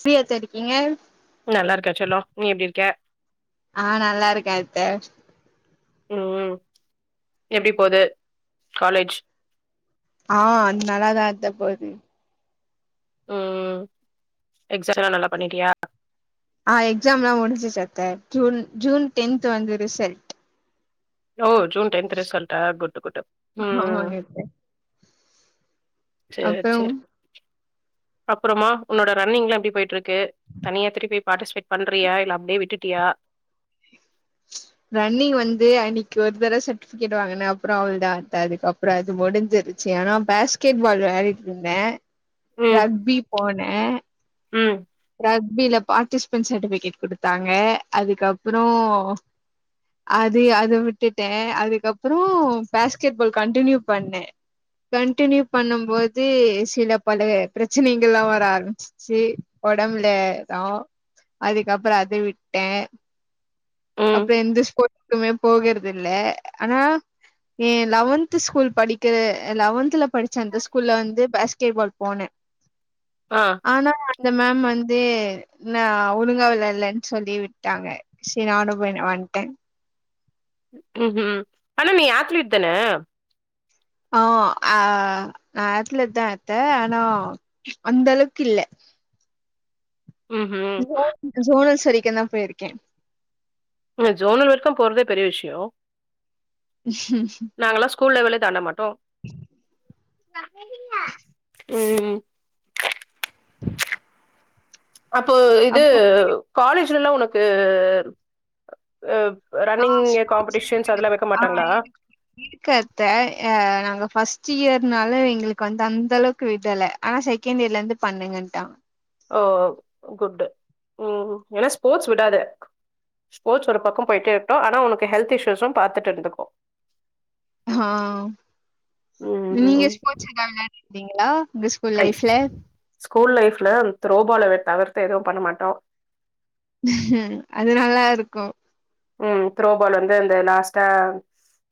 ஃப்ரீயத்த இருகீங்க நல்லா இருக்க செல்லோ நீ எப்டி இருக்க ஆஹ நல்லா இருக்கே அத்தே உ உம் எப்டி போது காலேஜ் ஆஹ நல்லாதா அத்த போது உம்உம் எக்ஸடல்லா நல்ல பன்னிடிய ஆஹ எக்ஸாம் எல்லா முடிஞ்சுச்சு அத்தே ஜூன் ஜூன் டென்த் வந்து ரிசல்ட் [unintelligible] ஜூன் டென்த் ரிசல்டா குட்டு குட்டு உம் ஆமாங்க அத்த சேர் அப்றோ சேர் அப்றோமா உன்னோட ரன்னிங்லா எப்டி போயிட்டு இருக்கு தனியா திருப்பி பாட்டிஸ்பேட் பன்றியா இல்ல அப்டியே விட்டுட்டியா ரன்னிங் வந்து அன்னைக்கு ஒரு தட சர்ட்டிபிகேட் வாங்கினே அப்புறோ அவ்ளதா அத்தே அதுக்கு அப்புறோ அது முடிஞ்சிருச்சு ஆனா பேஸ்கெட் பால் விளயாடிட்டு இருந்தே ம் ரக்பி பான் ஏங ம் ரக்பில பாட்டிபென்ஸ் சட்டிபிகேட் குடுத்தாங்க அதுக்கப்புறோ அது அத விட்டுட்டே அதுக்கப்புறோ பேஸ்கெட் பால் கண்டினியூ பண்ண கன்டினியூ பண்ணும் போது சில பல பிரச்சனைகள்ல்லா வர ஆரம்பிசிச்சு ஒடம்புல ரா அதுக்கபுறோ அதே விட்டே ம் அப்புறோ எந்த ஸ்போட்ஸ்க்குமே போகர் தில்ல ஆனா ஏ லெவன்த் ஸ்கூல் படிக்க லெவன்த் டென்த்ல படிச்ச அந்த ஸ்கூல்ல வந்து பாஸ்கெட் பால் போன ஆ ஆனா அந்த மேம் வந்து தே நௌ ஒழுங்க வேலலான்னு சொல்லி விட்டாங்க சரி நானு [unintelligible] வன்டே உஹம் ஆனா நீ அத்லெட் தான ஆஹ் ஆஹ் அத்லெட் தா அத்தா ஆனா அந்த அளவுக்கு இல்ல ம்ஹும் ஜோ ஜோனல் செரி கென பேயிர்கேன் ஜோனல் வரைக்கும் போறதே பெரிய விஷ்யோம் ஸ்கூல் லெவல்யே தண்டமாட்டோம் உம் [unintelligible] ந உஉம் அப்போ இது அப்புறம் காலேஜ் [unintelligible] உனக்கு ஹ மாட்டாங்களா இருக்கு அத்த நாங்க ஃபஸ்ட் ஃபர்ஸ்ட் இயர்னால எங்களுக்கு வந்து அந்த அளவுக்கு விடல ஆனா செகண்ட் இயர்ல இருந்து பண்ணுங்கன்டாங்க ஓ குட்டு ஏன்னா ஸ்போர்ட்ஸ் விடத ஸ்போர்ட்ஸ் ஒரு பக்கம் போயிட்டே இருட்டோம் ஆனா உனக்கு ஹெல்த் இஷ்யூஸும் பாத்துட்டு இருந்துகோ ஆஹ் ம் நீங்க ம் ஸ்போர்ட்ஸ் எதது விளையாடுங்காள கிங்களா ஐ ஸ்கூல் லைஃப்ல த்ரோ பாலவெ தவிர்த்து எதுவு பண்ணமாட்டோ அது நல்லாயிருக்கு உம் த்ரோபால் வந்து அந்த லாஸ்ட்டா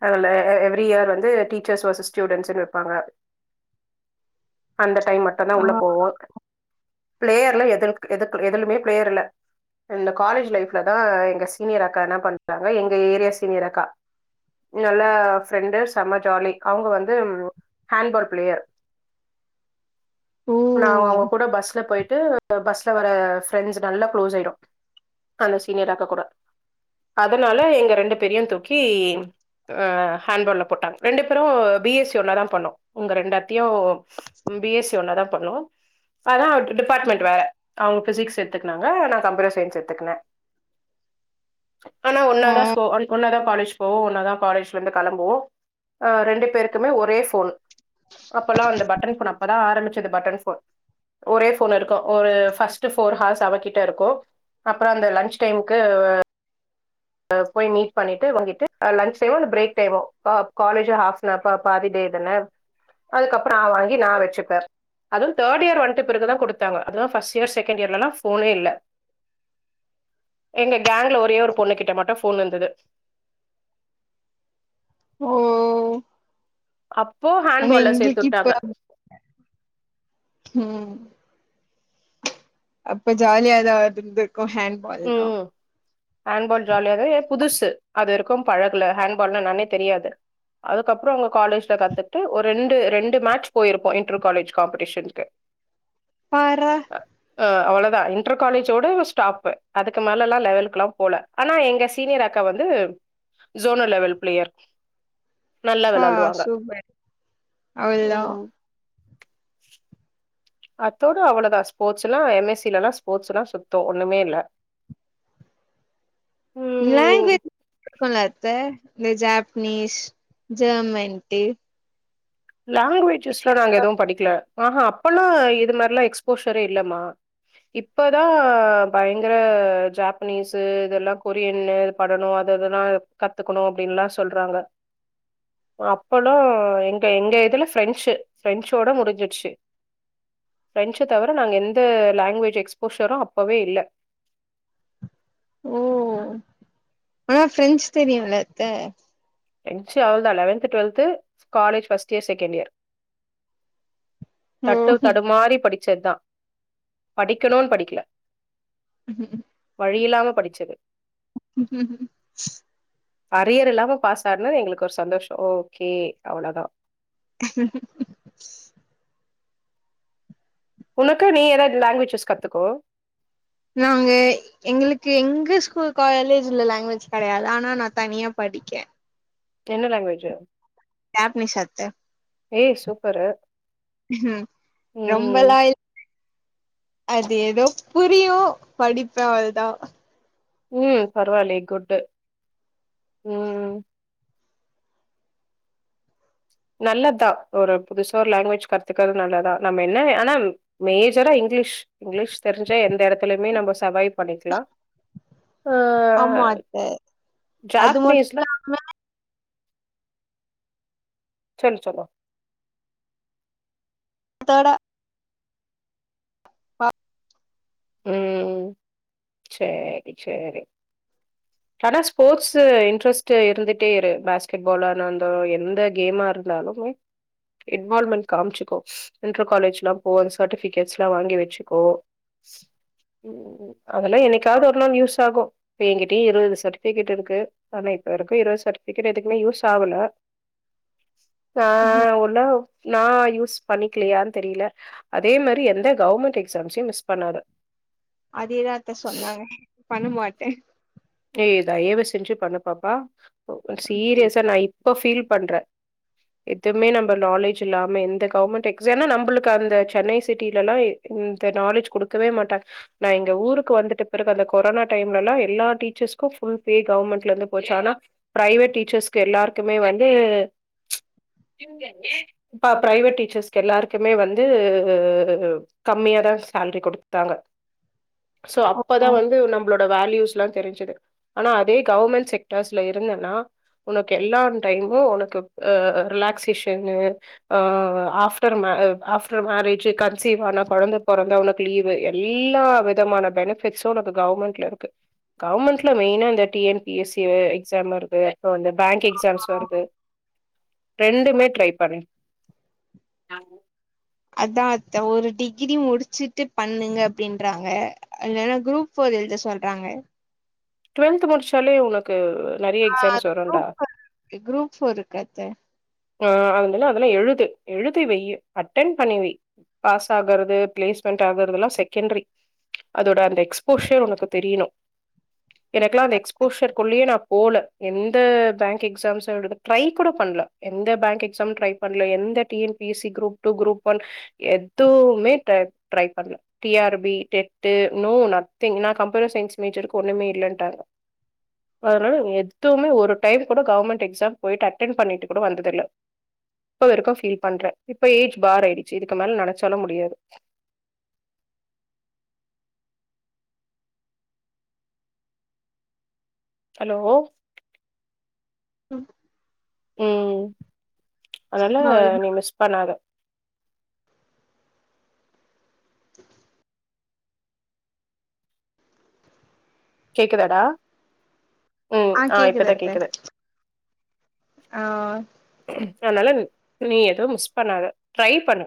அந்த எவ்ரி இயர் வந்து டீச்சர்ஸ் வேசஸ் ஸ்டூடன்ஸுனு வெப்பாங்க அந்த டைம் மட்டுதா ஆ உள்ள போவோம் பிளேயர்ல்லா எதுருக் எதுக் எதுலியுமே பிளேயர் இல்ல இந்த காலேஜ் லைஃப்ல தா எங்க சீனியர் அக்கா என்ன பண்ட்டங்க எங்க ஏரியா சீனியர் அக்கா நல்லா ஃபிரெண்டு செம்ம ஜாலி அவங்க வந்து ஹேண்ட்பால் பிளேயர் ஓ! நாங்க அவங்க கூட பஸ்ல போய்ட் டு பஸ்ல வர ஃப்ரெண்ட்ஸ் நல்லா க்ளோஸ் ஆயிட்டோ அந்த சீனியர் அக்கா கூட அதனால எங்க ரெண்டு பேரையு தூக்கி அஹ் ஹேண்ட் பால்ல போட்டாங்க ரெண்டு பேரு பி எஸ் சி ஒன்னதா பண்ணோ உங்க ரெண்டு அத்தையு பி எஸ் சி ஒன்னதா பண்ணோ ஆனா வன்ட் டிபார்ட்மெண்ட் வேற அவங்க பிசிக்ஸ் எடுத்துக்கனாங்க நா கம்ப்யூட்டர் சயின்ஸ் எடுத்துக்குனே ஆனா ஆ ஒன்னாதா சோ ஒன்னாதா காலேஜ் போவோ ஒன்ன தா காலேஜ் இருந்து கெளம்புவோம் ரெண்டு பேருக்குமே ஒரே போன் அப்போலா வந்து பட்டன் போன் அப்போதா ஆரம்பிச்சது பட்டன் போன் ஒரே போன் இருக்கு ஒரு ஃபர்ஸ்ட் ஃபோர் ஹார்ஸ் அவகிட்ட இருக்கு அப்ரோ அந்த லஞ்ச் டைம்க்கு போய் மீட் பண்ணிட்டு வாங்கிட்டு லஞ்ச் டைம்மோ இல்ல பிரேக் டைம்மோ காலேஜே ஹாஃப் [unintelligible] பாதி டே தான அதுக்கு அப்ரோ நா வாங்கி நா வச்சுப்பே அதுவு தேர்ட் இயர் வன்ட்டபிறகுதா குடுத்தாங்க அது ஃபர்ஸ்ட் இயர் செகண்ட் இயர்லலா போனே இல்ல எங்ககி கேங்ல ஒரே ஒரு பொண்ணு கிட்ட மட்டு போன் இருந்தது ஓ அப்போ ஆனா ஹேண்ட்பால்ல எங்களுக்கு இப்ப சேத்துட்டாங்க ம் அப்ப ஜாலியாதா இருந்து உம் ம் ஆண்ட்பால் ஜாலியாரு எ புதுசு அது வரைக்கு பழகுல ஹேண்ட்பால்னா என்னானே தெரியாது அதுக்கப்புற அங்க காலேஜ்ல கத்துட்டு ஒரு ரெண்டு ரெண்டு மேட்ச் போயிருப்போ இன்டர் காலேஜ் காம்படிஷன்க்கு பார்றா அவ்ளதா இன்டர் காலேஜோட ஸ்டாப்பு அதுக்கு மேலல்லா லெவலுக்கல்லாம் போல ஆனா எங்க சீனியர் அக்கா வந்து ஜோனல் லெவல் ப்ளேயர் ஆ சூப்பர் அவ்ளதா ம் அத்தோட அவ்ளதா ஸ்போர்ட்ஸ்ல்லா எம் எஸ் சி லல்லா ஸ்போர்ட்ஸ்ல்லா சுத்தோ ஒண்ணுமே இல்ல ம் லேங்வேஜ் [inaudible] ல்ல அத்த இந்த ஜேப்பனீஸ் ஜெர்மன்ட்டு லாங்குவேஜஸ்லா நாங்க எதுவு படிக்கல ஆஹா அப்பல்லா இது மாரிலா எக்ஸ்போஷரே இல்லமா இப்பதா பயங்கர ஜேப்பனீஸ்ஸு இதெல்லா கொரியன்ல இது பண்ணணு அததுல்லா கத்துக்கணு அப்படின்ல்லா சொல்றாங்க அ அப்பல்லா எங் ப்ப எங்க இதுல ஃப்ரெஞ்சு ஃப்ரெஞ்சோட முடிஞ்சிருச்சி ஃப்ரெஞ்ச தவர நாங்க எந்த லாங்குவேஜ் எக்ஸ்போஷரு அப்பவே இல்ல ஓ ஆனா ஃப்ரெஞ்சு தெரியுல்ல அத்த எங்க்ச்சு அவ்ளதா eleventh twelfth college first year second year ஓ தட்டு தடுமாறி படி சதுதா படிக்கணுன் படிக்கல வழியில்லாம படிச்சது உஹம் உ அரியர் இல்லாம பாஸ் சானது எங்களுக்கு ஒரு சந்தோஷோ ஓகே அவ்ளோதா உனக்கு நீ ஏதாவது லாங்வேஜஸ் கத்துக்கோ நாங்க எங்களுக்கு எங்க ஸ்கூல் காலேஜ்ல லாங்குவேஜ் கிடையாது ஆனா நா தனியா படிக்கே என்ன லாங்வேஜு ஜப்னீஸ் அத்த ஏய் சூப்பரு ம் ம். ரொம்பல்லா இல் அது ஏதோ புரியு படிப்பே அவள்தா உம் பரவால்லயே குட்டு உம் நல்லத்தா ஒரு புதுசா ஒரு லாங்வேஜ் கத்துக்கறது நல்லத்தா நம்ம என்ன ஆனாம மேஜரா இங்கிலீஷ் இங்கிலீஷ் தெரிஞ்ஜா எந்த இடத் துலயுமே நம்ம சர்வைவ் பண்ணிக்லா ஆமா அத்த அது ஜாப்பனீஸ்ல மட்டோ [unintelligible] ஆம சொல்லு செல்லோ அதோட பா உம் சேரி சேரி ஆனா ஸ்போட்ஸு இன்ட்ரெஸ்ட்டு இருந்துட்டே இரு பாஸ்கெட்பாலானா அந்த எந்த கேமா இருந்தாலு மே இன்வால்மெண்ட் காமிச்சுக்கோ இன்டர் காலேஜ்லாம் போ சர்ட்டிபிகேட்ஸ்ல்லா வாங்கி வெச்சுக்கோ உம் அதெல்லா என்னைக்காவது ஒரு நாள் யூஸ் ஆகு இபே எங்கிட்டயே இருவது சர்ட்டிபிகேட் இருக்கு ஆனா இப்ப இருக்கு இருவது சர்ட்டிபிகேட் எதுக்குமே யூஸ் ஆவுல ஆ [unintelligible] நா யூஸ் பண்ணிக்கலயான்னு தெரியல அதே மாரி எந்த கவர்மெண்ட் எக்ஸாம்ஸையு மிஸ் பண்ணாத அதேதாத்த சொன்னாங்க பண்ணமாட் ட ஏய் தயவு செஞ்சு பண்ணு பாப்பா சீரியஸா நா இப்ப ஃபீல் பண்ற எதுமே நம்ப நாலேஜ் இல்லாம எந்த கவர்மென்ட் எக்ஸா நம்ளுக்கு அந்த சென்னை சிட்டிலல்ல இந்த நாலெஜ் குடுக்கவே மாட்டங்க நா எங்க ஊருக்கு வந்துட்ட பிறகு அந்த கொரோனா டைம்லல்லா எல்லா டீ [unintelligible] ஃபுல் பே கவர்மென்ட்லருந்து போச்சு ஆனா பிரைவேட் டீச்சர்ஸ் எல்லாருக்குமே வந்து பிரைவேட் டீச்சர்ஸ் எல்லார்க்குமே வந்து கம்மியாதா சேல்ரி குடுத்தாங்க சோ அப்பதா ஓ வந்து நம்ளோ வேல்யூஸ்லா தெரிஞ் சுது ஆனா அதே கவர்மென்ட் செக்டார்ஸ்ல இருந்தனா உனக்கு எல்லா டைம்மு உனக்கு அ ரிலாக்சேசனு ஆ ஆஃப்டர் மே ஆஃப்டர் மேரேஜ் கன்சீவ் ஆனா கொழந்த பொறந்தா உனக்கு லீவு எல்லா விதமான பெனிபிட்ஷும் உனக்கு கவர்மென்ட்ல இருக்கு கவர்மெண்ட்ல மெயினா இந்த T N P S C exam வருது இபோவந் பேங்க் எக்ஸாம்ஸ் வருது ரெண்டுமே ட்ரைப் [unintelligible] அத்தா அத்த ஒரு டிகிரி முடிச்சுட்டு பண்ணுங்க அப்டின்றாங்க இல்லன்னா குரூப் ஃபோர் எழுத சொல்றாங்க டுவல்த் முடிச்சாலே உனக்கு நெறைய ஆஹ் எக்ஸாம்ஸ் அது வருண்டா குரூப் ஃபோர் இருக்கு குரூப் ஃபோர் இருக்கு த அஹ் அத மாதில்ல அதெல்லா எழுது எழுதி வெய்யி அட்டன் பண்ணிவை பாஸ் ஆகுறது பிளேஸ்மென்ட் ஆகுறதெல்லா செகண்டரி அதோட அந்த எக்ஸ்போஷியல் உனக்கு தெரியனு எனக்குல்லா அந்த எக்ஸ்போஷர் குள்ளேயே நா போல எந்த பேங்க் எக்ஸாம்சு எழுத ட்ரை கூட பண்ல எந்த பேங்க் எக்ஸாம் ட்ரை பண்ல எந்த T N P S C group two group one எதுவுமே ட்ர ட்ரை பண்ல T R B TET no nothing நா கம்ப்யூட்டர் சயின்ஸ் மேஜர்க்கு ஒன்னுமே இல்லன்ட்டாங்க அதனால எதுவுமே ஒரு டைம் கூட கவர்மெண்ட் எக்ஸாம் போயிட்டு அட்டன் பண்ணிட்டு கூட வந்ததில்ல இப்ப வரைக்கு ஃபீல் பண்ற இப்ப ஏஜ் பார் ஆய்டுச்சு இதுக்கு மேல நெனைச்சாலு முடியாது ஹலோ ம் ம் அதனால நீ மிஸ் பண்ணாத கேக்குதாடா ம் ஆஹ் ஆ இப்பதா கேக்குதத்த கேக்குது ஆஹ் அதனால நீ எதுவு மிஸ் பண்ணாத ட்ரை பண்ணு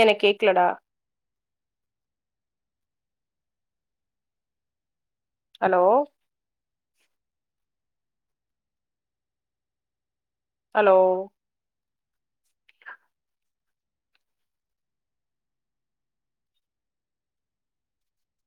என்ன கேக்லடா ஹலோ ஹலோ